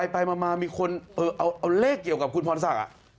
ไปมามีคนเอาเลขเกี่ยวกับคุณพรศักดิ์